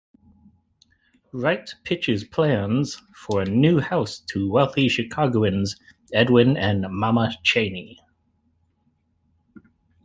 Wright pitches plans for a new house to wealthy Chicagoans Edwin and Mamah Cheney.